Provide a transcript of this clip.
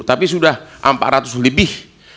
tapi sudah empat ratus lebih